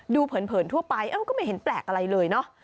เผินทั่วไปก็ไม่เห็นแปลกอะไรเลยเนอะ